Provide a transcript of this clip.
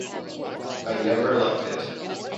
I never liked it.